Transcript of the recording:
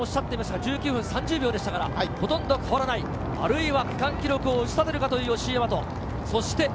ヴィンセントの記録は１９分３０秒でしたからほとんど変わらない、あるいは区間記録を打ち立てるかという吉居大和。